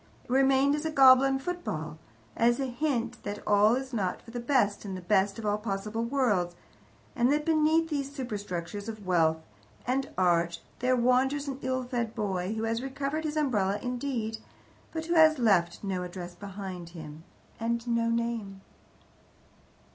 It remained as a goblin football, as a hint that all is not for the best in the best of all possible worlds, and that beneath these superstructures of wealth and art there wanders an ill fed boy, who has recovered his umbrella indeed, but who has left no address behind him, and no name.